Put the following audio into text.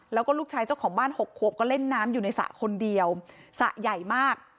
แล้วก็ลูกชายเจ้าของบ้านหกขวบก็เล่นน้ำอยู่ในสระคนเดียวสระใหญ่มาก